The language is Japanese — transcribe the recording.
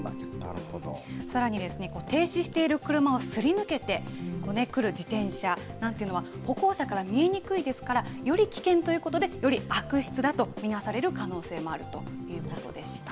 さらに、停止している車をすり抜けて来る自転車なんていうのは、歩行者から見えにくいですから、より危険ということで、より悪質だと見なされる可能性もあるということでした。